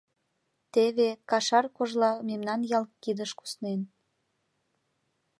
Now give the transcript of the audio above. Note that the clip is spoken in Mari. Теве Кашар кожла мемнан ял кидыш куснен.